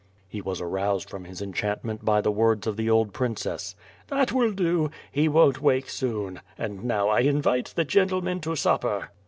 He was aroused from his enchantment by the words of the old princess. "That will do! He won't wake soon; and now I invite the gentlemen to supper."